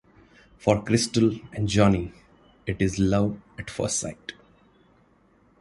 For Cristal and Johnny, it is love at first sight.